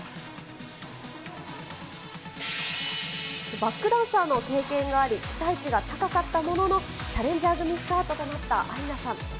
バックダンサーの経験があり、期待値が高かったものの、チャレンジャー組スタートとなったアイナさん。